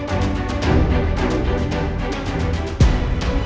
aku mau ke sana